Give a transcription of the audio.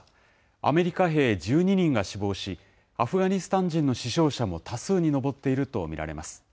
アメリカ兵１２人が死亡し、アフガニスタン人の死傷者も多数に上っていると見られます。